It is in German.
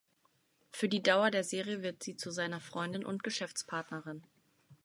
Für die Dauer der Serie wird sie zu seiner Freundin und Geschäftspartnerin.